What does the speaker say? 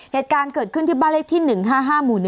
เหตุการณ์เกิดขึ้นที่บ้านเลขที่๑๕๕หมู่๑